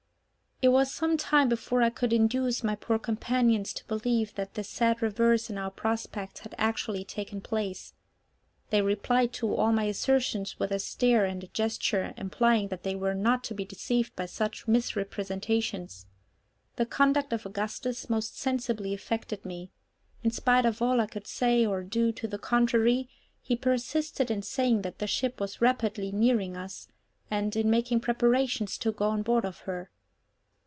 It was some time before I could induce my poor companions to believe that this sad reverse in our prospects had actually taken place. They replied to all my assertions with a stare and a gesture implying that they were not to be deceived by such misrepresentations. The conduct of Augustus most sensibly affected me. In spite of all I could say or do to the contrary, he persisted in saying that the ship was rapidly nearing us, and in making preparations to go on board of her.